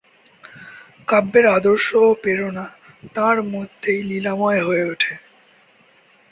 কাব্যের আদর্শ ও প্রেরণা তাঁর মধ্যেই লীলাময় হয়ে ওঠে।